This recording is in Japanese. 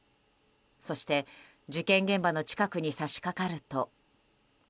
そして、事件現場の近くに差しかかると。